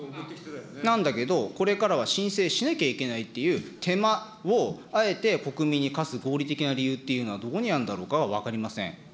なんだけど、これからは申請しなきゃいけないっていう手間を、あえて国民に課す、合理的な理由っていうのはどこにあるんだろうかというのが分かりません。